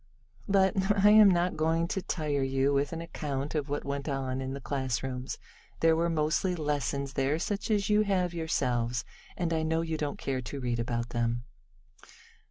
But I am not going to tire you with an account of what went on in the classrooms. There were mostly lessons there, such as you have yourselves, and I know you don't care to read about them.